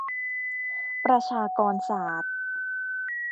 ประชากรศาสตร์